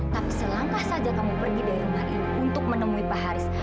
tapi selangkah saja kamu pergi dari rumah ini untuk menemui pak haris